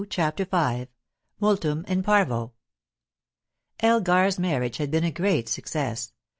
CHAPTER V MULTUM IN PARVO Elgar's marriage had been a great success.